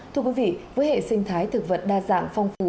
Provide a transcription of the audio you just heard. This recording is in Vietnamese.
thưa quý vị với hệ sinh thái thực vật đa dạng phong phú